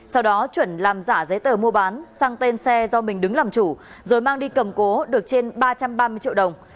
sau đó chuẩn làm giả giấy tờ mua bán sang tên xe do mình đứng làm chủ rồi mang đi cầm cố được trên ba trăm ba mươi triệu đồng